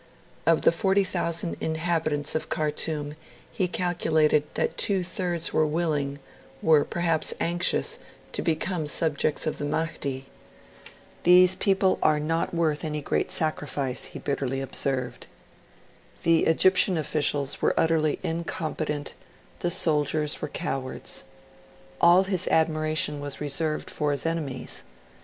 Of the 40,000 inhabitants of Khartoum he calculated that two thirds were willing were perhaps anxious to become the subjects of the Mahdi. 'These people are not worth any great sacrifice,' he bitterly observed. The Egyptian officials were utterly incompetent; the soldiers were cowards. All his admiration was reserved for his enemies.